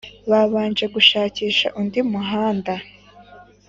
Babanje gushakisha undi muhanda